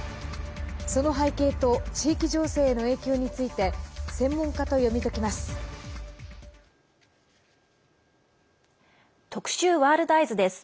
その背景と地域情勢への影響について専門家と読み解きます。